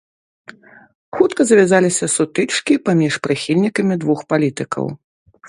Хутка завязаліся сутычкі паміж прыхільнікамі двух палітыкаў.